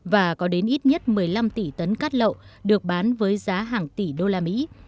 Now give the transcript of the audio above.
và có đến ít nhất một mươi năm tỷ tấn cát lậu được bán với giá hàng tuần